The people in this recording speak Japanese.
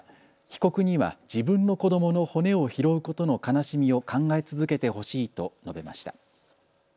被告には自分の子どもの骨を拾うことの悲しみを考え続けてほしいと述べました。